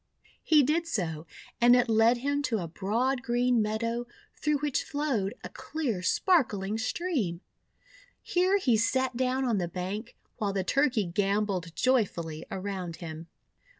He did so, and it led him to a broad green meadow, through which flowed a clear spark ling stream. Here he sat down on the bank, while the Turkey gambolled joyfully around him.